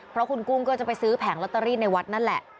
เพราะคุณกุ้งก็จะไปซื้อแผงลอตเตอรี่ในวัดนั่นแหละ